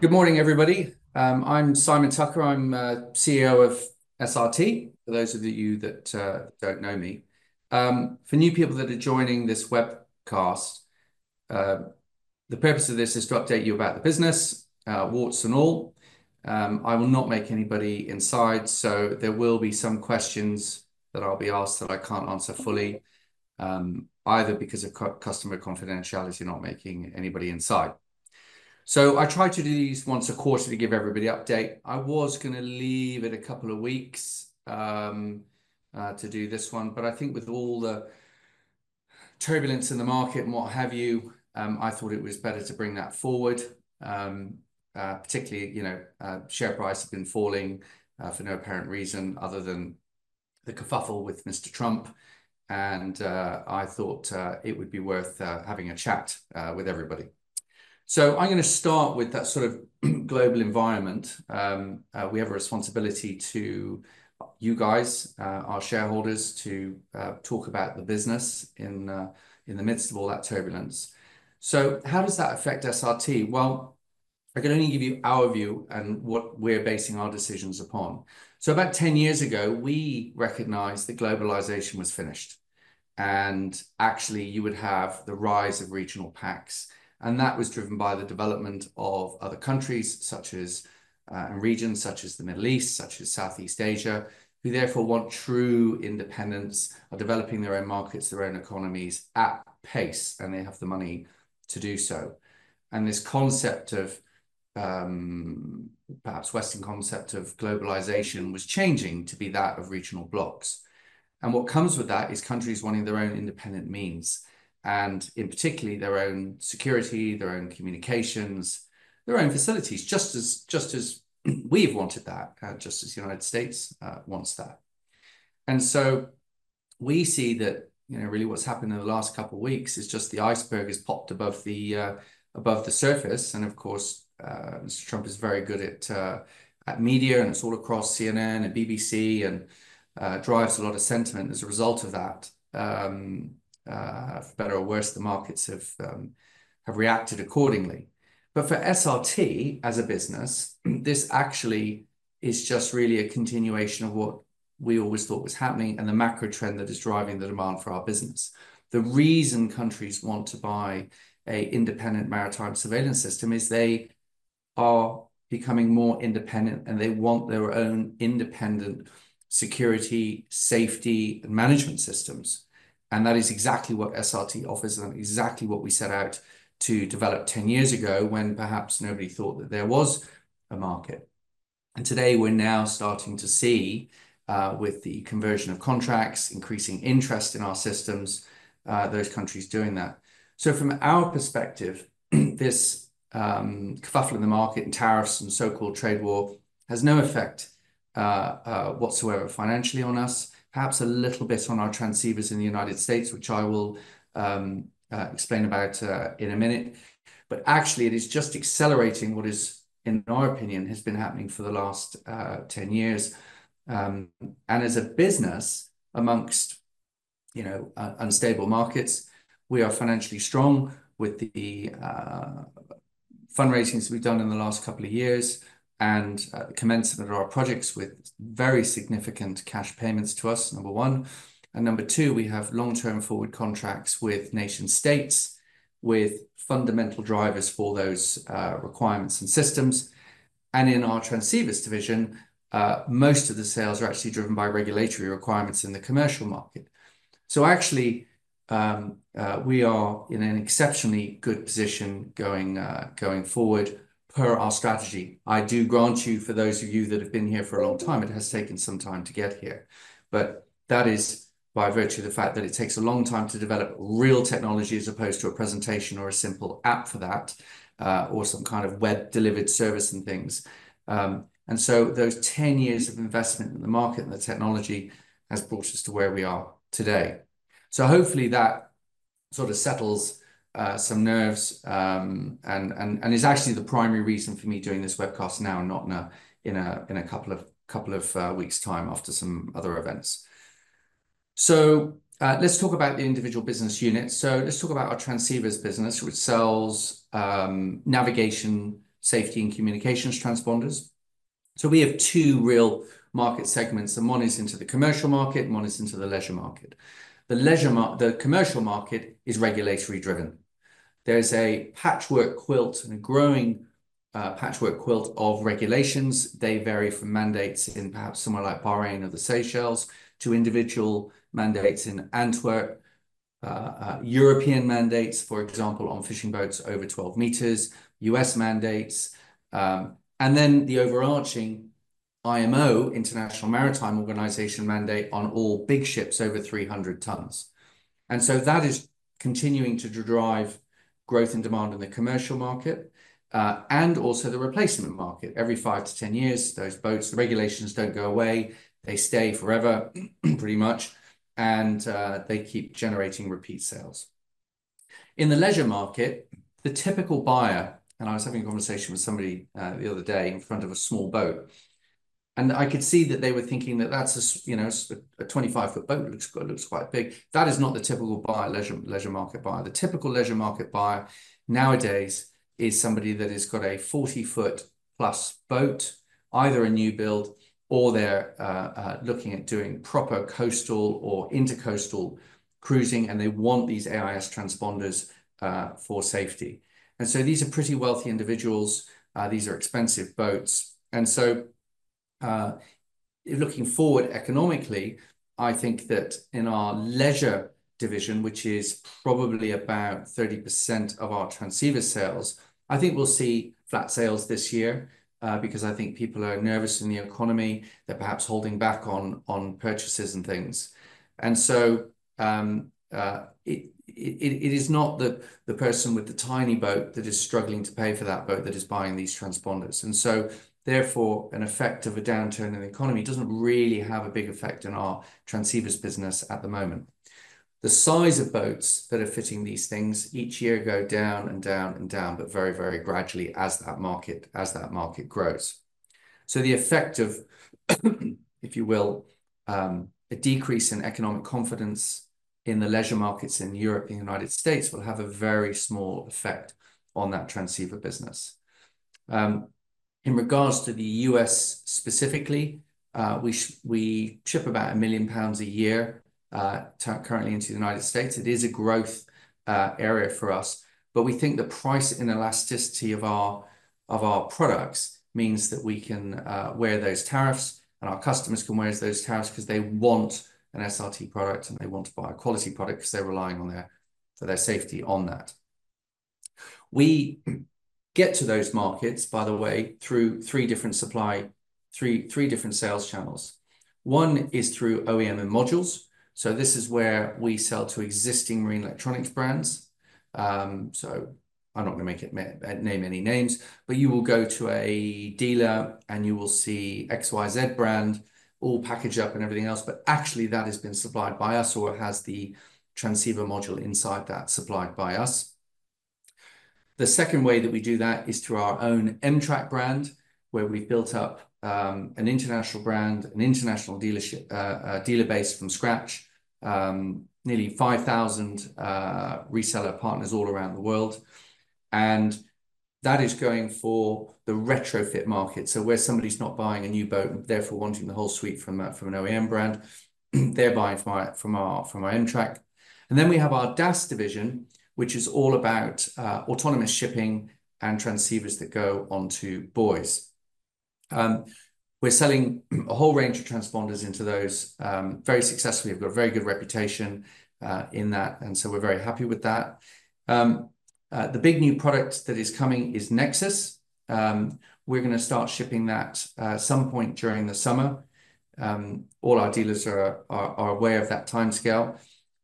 Good morning, everybody. I'm Simon Tucker. I'm CEO of SRT, for those of you that don't know me. For new people that are joining this webcast, the purpose of this is to update you about the business, warts and all. I will not make anybody inside, so there will be some questions that I can't answer fully, either because of customer confidentiality and not making anybody inside. I try to do these once a quarter to give everybody an update. I was going to leave it a couple of weeks to do this one, but I think with all the turbulence in the market and what have you, I thought it was better to bring that forward, particularly share prices have been falling for no apparent reason other than the kerfuffle with Mr. Trump. I thought it would be worth having a chat with everybody. I'm going to start with that sort of global environment. We have a responsibility to you guys, our shareholders, to talk about the business in the midst of all that turbulence. How does that affect SRT? I can only give you our view and what we're basing our decisions upon. About 10 years ago, we recognized that globalization was finished. Actually, you would have the rise of regional pacts. That was driven by the development of other countries and regions such as the Middle East, such as Southeast Asia, who therefore want true independence, are developing their own markets, their own economies at pace, and they have the money to do so. This concept of, perhaps Western concept of globalization was changing to be that of regional blocs. What comes with that is countries wanting their own independent means, and in particular, their own security, their own communications, their own facilities, just as we've wanted that, just as the United States wants that. We see that really what's happened in the last couple of weeks is just the iceberg has popped above the surface. Of course, Mr. Trump is very good at media, and it's all across CNN and BBC and drives a lot of sentiment as a result of that. For better or worse, the markets have reacted accordingly. For SRT as a business, this actually is just really a continuation of what we always thought was happening and the macro trend that is driving the demand for our business. The reason countries want to buy an independent maritime surveillance system is they are becoming more independent, and they want their own independent security, safety, and management systems. That is exactly what SRT offers and exactly what we set out to develop 10 years ago when perhaps nobody thought that there was a market. Today, we're now starting to see, with the conversion of contracts, increasing interest in our systems, those countries doing that. From our perspective, this kerfuffle in the market and tariffs and so-called trade war has no effect whatsoever financially on us, perhaps a little bit on our transceivers in the United States, which I will explain about in a minute. Actually, it is just accelerating what is, in our opinion, has been happening for the last 10 years. As a business amongst unstable markets, we are financially strong with the fundraisings we've done in the last couple of years and the commencement of our projects with very significant cash payments to us, number one. Number two, we have long-term forward contracts with nation-states with fundamental drivers for those requirements and systems. In our transceivers division, most of the sales are actually driven by regulatory requirements in the commercial market. Actually, we are in an exceptionally good position going forward per our strategy. I do grant you, for those of you that have been here for a long time, it has taken some time to get here. That is by virtue of the fact that it takes a long time to develop real technology as opposed to a presentation or a simple app for that or some kind of web-delivered service and things. Those 10 years of investment in the market and the technology has brought us to where we are today. Hopefully, that sort of settles some nerves and is actually the primary reason for me doing this webcast now and not in a couple of weeks' time after some other events. Let's talk about the individual business units. Let's talk about our transceivers business, which sells navigation, safety, and communications transponders. We have two real market segments. One is into the commercial market. One is into the leisure market. The commercial market is regulatory-driven. There is a patchwork quilt and a growing patchwork quilt of regulations. They vary from mandates in perhaps somewhere like Bahrain or the Seychelles to individual mandates in Antwerp, European mandates, for example, on fishing boats over 12 meters, U.S. mandates, and the overarching IMO, International Maritime Organization, mandate on all big ships over 300 tons. That is continuing to drive growth and demand in the commercial market and also the replacement market. Every 5–10 years, those boats, the regulations do not go away. They stay forever, pretty much. They keep generating repeat sales. In the leisure market, the typical buyer, and I was having a conversation with somebody the other day in front of a small boat. I could see that they were thinking that that is a 25 ft boat, looks quite big. That is not the typical leisure market buyer. The typical leisure market buyer nowadays is somebody that has got a 40 ft-plus boat, either a new build or they're looking at doing proper coastal or intracoastal cruising, and they want these AIS transponders for safety. These are pretty wealthy individuals. These are expensive boats. Looking forward economically, I think that in our leisure division, which is probably about 30% of our transceiver sales, I think we'll see flat sales this year because I think people are nervous in the economy that perhaps holding back on purchases and things. It is not the person with the tiny boat that is struggling to pay for that boat that is buying these transponders. Therefore, an effect of a downturn in the economy doesn't really have a big effect on our transceivers business at the moment. The size of boats that are fitting these things each year go down and down and down, but very, very gradually as that market grows. The effect of, if you will, a decrease in economic confidence in the leisure markets in Europe and the United States will have a very small effect on that transceiver business. In regards to the U.S. specifically, we ship about 1 million pounds a year currently into the United States. It is a growth area for us. We think the price inelasticity of our products means that we can wear those tariffs and our customers can wear those tariffs because they want an SRT product and they want to buy a quality product because they're relying on their safety on that. We get to those markets, by the way, through three different sales channels. One is through OEM and modules. This is where we sell to existing marine electronics brands. I'm not going to name any names, but you will go to a dealer and you will see XYZ brand, all packaged up and everything else. Actually, that has been supplied by us or has the transceiver module inside that is supplied by us. The second way that we do that is through our own em-trak brand, where we've built up an international brand, an international dealer base from scratch, nearly 5,000 reseller partners all around the world. That is going for the retrofit market. Where somebody's not buying a new boat and therefore wanting the whole suite from an OEM brand, they're buying from our em-trak. We have our DAS division, which is all about autonomous shipping and transceivers that go onto buoys. We're selling a whole range of transponders into those very successfully. We've got a very good reputation in that, and so we're very happy with that. The big new product that is coming is Nexus. We're going to start shipping that at some point during the summer. All our dealers are aware of that timescale.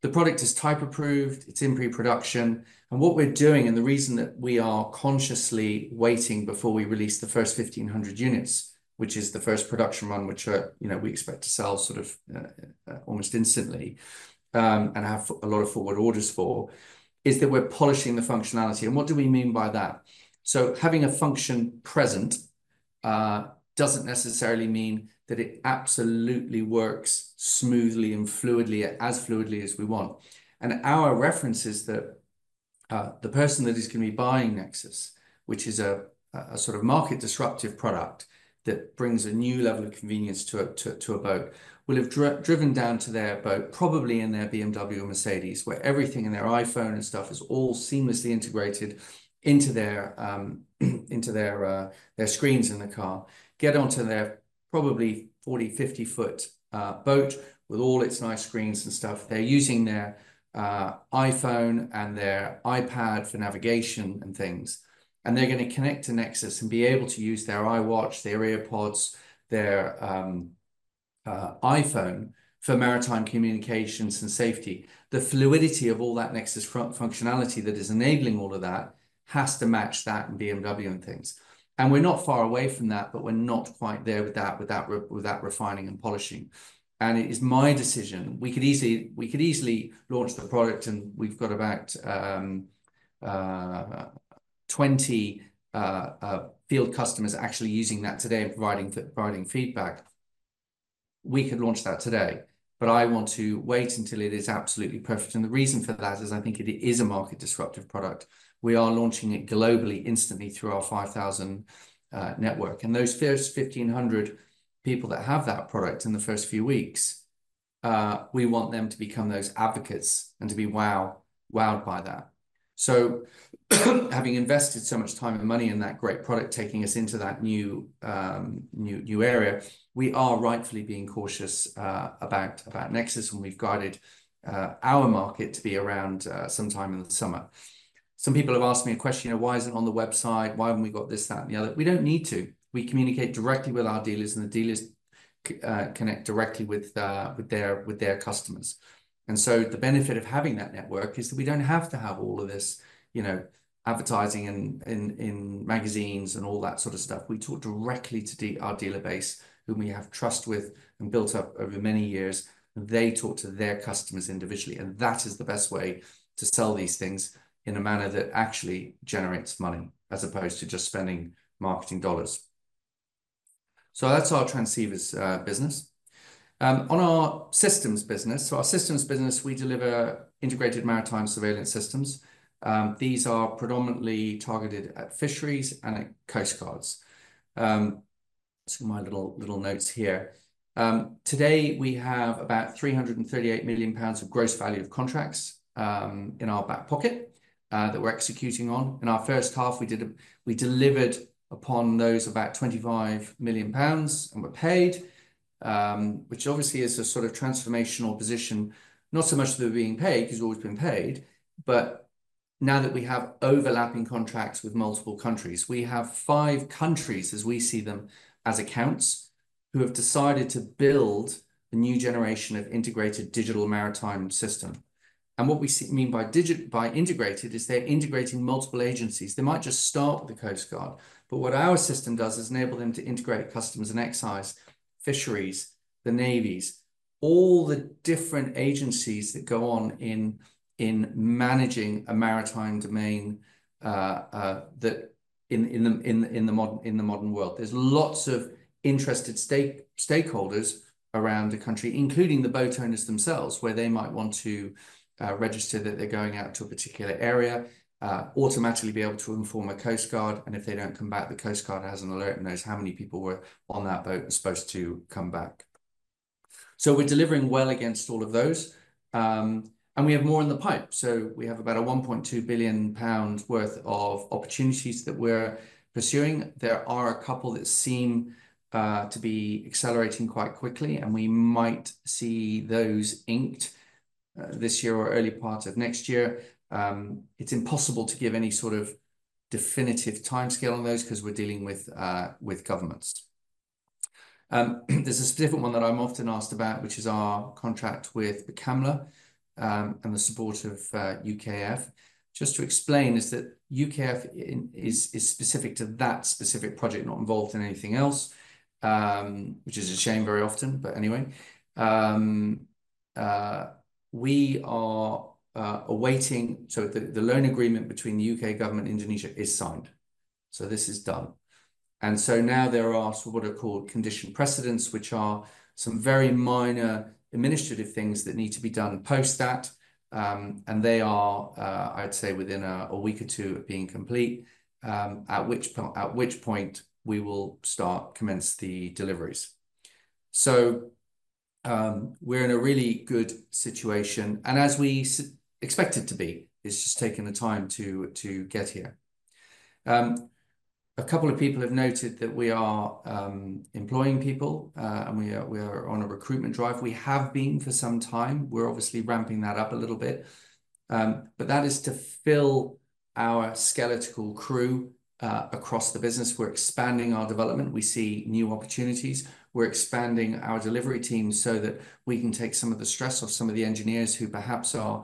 The product is type approved. It's in pre-production. What we're doing and the reason that we are consciously waiting before we release the first 1,500 units, which is the first production run which we expect to sell sort of almost instantly and have a lot of forward orders for, is that we're polishing the functionality. What do we mean by that? Having a function present doesn't necessarily mean that it absolutely works smoothly and as fluidly as we want. Our reference is that the person that is going to be buying Nexus, which is a sort of market-disruptive product that brings a new level of convenience to a boat, will have driven down to their boat, probably in their BMW or Mercedes, where everything in their iPhone and stuff is all seamlessly integrated into their screens in the car, get onto their probably 40 ft–50 ft boat with all its nice screens and stuff. They're using their iPhone and their iPad for navigation and things. They're going to connect to Nexus and be able to use their iWatch, their AirPods, their iPhone for maritime communications and safety. The fluidity of all that Nexus functionality that is enabling all of that has to match that and BMW and things. We're not far away from that, but we're not quite there with that refining and polishing. It is my decision. We could easily launch the product, and we've got about 20 field customers actually using that today and providing feedback. We could launch that today, but I want to wait until it is absolutely perfect. The reason for that is I think it is a market-disruptive product. We are launching it globally instantly through our 5,000 network. Those first 1,500 people that have that product in the first few weeks, we want them to become those advocates and to be wowed by that. Having invested so much time and money in that great product taking us into that new area, we are rightfully being cautious about Nexus, and we've guided our market to be around sometime in the summer. Some people have asked me a question, "Why isn't it on the website? Why haven't we got this, that, and the other?" We don't need to. We communicate directly with our dealers, and the dealers connect directly with their customers. The benefit of having that network is that we don't have to have all of this advertising in magazines and all that sort of stuff. We talk directly to our dealer base whom we have trust with and built up over many years. They talk to their customers individually. That is the best way to sell these things in a manner that actually generates money as opposed to just spending marketing dollars. That is our transceivers business. On our systems business, our systems business, we deliver integrated maritime surveillance systems. These are predominantly targeted at fisheries and at coast guards. My little notes here. Today, we have about 338 million pounds of gross value of contracts in our back pocket that we're executing on. In our first half, we delivered upon those about 25 million pounds and were paid, which obviously is a sort of transformational position, not so much that we're being paid because we've always been paid, but now that we have overlapping contracts with multiple countries, we have five countries, as we see them as accounts, who have decided to build a new generation of integrated digital maritime system. What we mean by integrated is they're integrating multiple agencies. They might just start with the coast guard. What our system does is enable them to integrate customs and excise, fisheries, the navies, all the different agencies that go on in managing a maritime domain in the modern world. are lots of interested stakeholders around the country, including the boat owners themselves, where they might want to register that they're going out to a particular area, automatically be able to inform a coast guard. If they don't come back, the coast guard has an alert and knows how many people were on that boat and supposed to come back. We are delivering well against all of those. We have more in the pipe. We have about 1.2 billion pounds worth of opportunities that we're pursuing. There are a couple that seem to be accelerating quite quickly, and we might see those inked this year or early part of next year. It's impossible to give any sort of definitive timescale on those because we're dealing with governments. There's a specific one that I'm often asked about, which is our contract with BAKAMLA and the support of UK Export Finance. Just to explain is that UK Export Finance is specific to that specific project, not involved in anything else, which is a shame very often, but anyway. We are awaiting the loan agreement between the U.K. government and Indonesia is signed. This is done. Now there are what are called conditions precedent, which are some very minor administrative things that need to be done post that. They are, I'd say, within a week or two of being complete, at which point we will start commence the deliveries. We're in a really good situation. As we expected to be, it's just taken the time to get here. A couple of people have noted that we are employing people, and we are on a recruitment drive. We have been for some time. We're obviously ramping that up a little bit. That is to fill our skeletal crew across the business. We're expanding our development. We see new opportunities. We're expanding our delivery team so that we can take some of the stress off some of the engineers who perhaps are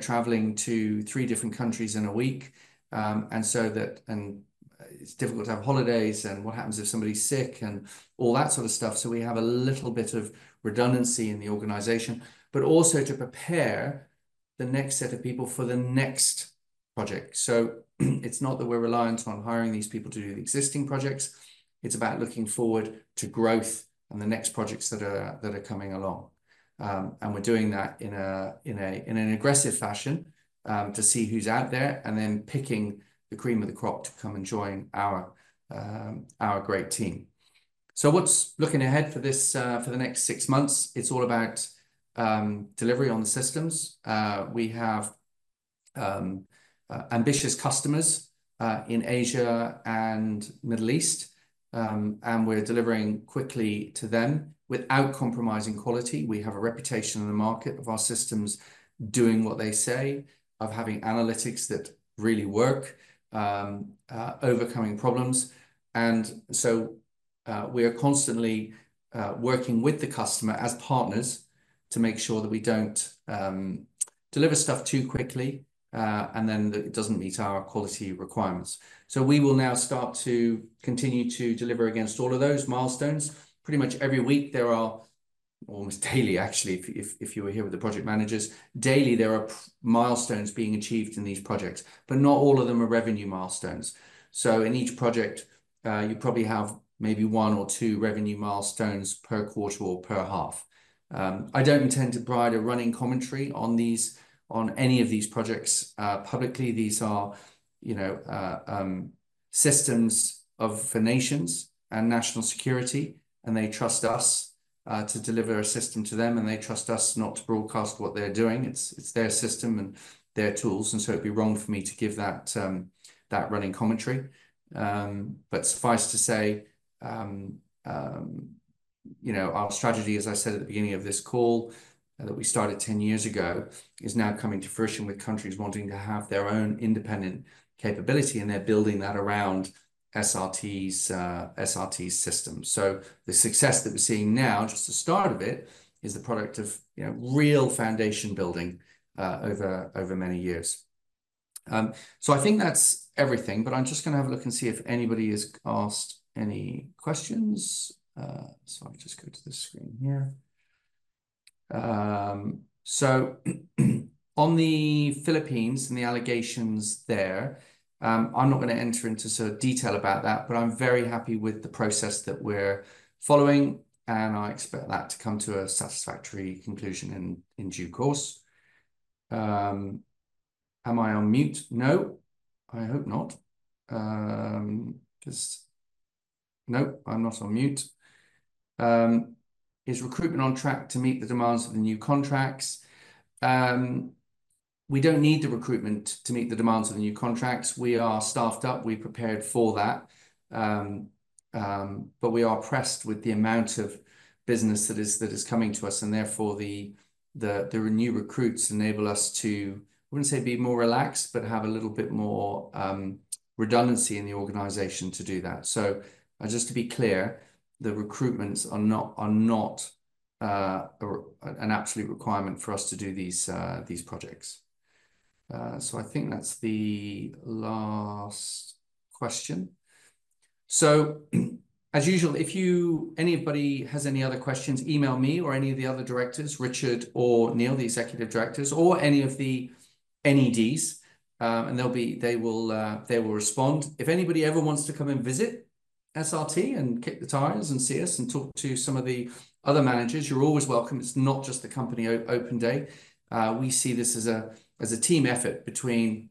traveling to three different countries in a week. It's difficult to have holidays. What happens if somebody's sick and all that sort of stuff? We have a little bit of redundancy in the organization, but also to prepare the next set of people for the next project. It's not that we're reliant on hiring these people to do the existing projects. It's about looking forward to growth and the next projects that are coming along. We're doing that in an aggressive fashion to see who's out there and then picking the cream of the crop to come and join our great team. Looking ahead for the next six months, it's all about delivery on the systems. We have ambitious customers in Asia and Middle East, and we're delivering quickly to them without compromising quality. We have a reputation in the market of our systems doing what they say, of having analytics that really work, overcoming problems. We are constantly working with the customer as partners to make sure that we don't deliver stuff too quickly and then that it doesn't meet our quality requirements. We will now start to continue to deliver against all of those milestones. Pretty much every week, there are almost daily, actually, if you were here with the project managers, daily, there are milestones being achieved in these projects, but not all of them are revenue milestones. In each project, you probably have maybe one or two revenue milestones per quarter or per half. I don't intend to provide a running commentary on any of these projects publicly. These are systems of nations and national security, and they trust us to deliver a system to them, and they trust us not to broadcast what they're doing. It's their system and their tools. It'd be wrong for me to give that running commentary. Suffice to say, our strategy, as I said at the beginning of this call, that we started 10 years ago, is now coming to fruition with countries wanting to have their own independent capability, and they're building that around SRT's systems. The success that we're seeing now, just the start of it, is the product of real foundation building over many years. I think that's everything, but I'm just going to have a look and see if anybody has asked any questions. I'll just go to the screen here. On the Philippines and the allegations there, I'm not going to enter into sort of detail about that, but I'm very happy with the process that we're following, and I expect that to come to a satisfactory conclusion in due course. Am I on mute? No, I hope not. No, I'm not on mute. Is recruitment on track to meet the demands of the new contracts? We do not need the recruitment to meet the demands of the new contracts. We are staffed up. We prepared for that. We are pressed with the amount of business that is coming to us, and therefore, the new recruits enable us to, I would not say be more relaxed, but have a little bit more redundancy in the organization to do that. Just to be clear, the recruitments are not an absolute requirement for us to do these projects. I think that is the last question. As usual, if anybody has any other questions, email me or any of the other directors, Richard or Neil, the Executive Directors, or any of the NEDs, and they will respond. If anybody ever wants to come and visit SRT and kick the tires and see us and talk to some of the other managers, you're always welcome. It's not just the company open day. We see this as a team effort between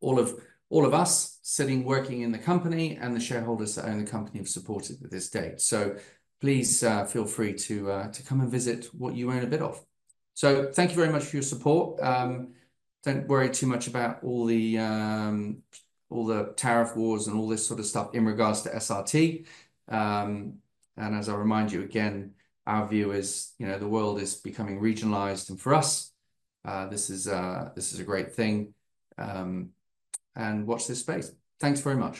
all of us sitting, working in the company, and the shareholders that own the company have supported to this date. Please feel free to come and visit what you own a bit of. Thank you very much for your support. Don't worry too much about all the tariff wars and all this sort of stuff in regards to SRT. As I remind you again, our view is the world is becoming regionalized. For us, this is a great thing. Watch this space. Thanks very much.